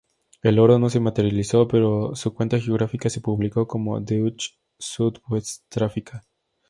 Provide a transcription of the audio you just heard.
El oro no se materializó, pero su cuenta geográfica se publicó como ""Deutsch-Südwestafrika.